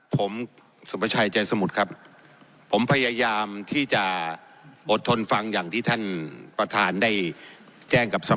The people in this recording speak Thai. ผมสุประชัยใจสมุทรครับผมพยายามที่จะอดทนฟังอย่างที่ท่านประธานได้แจ้งกับสภา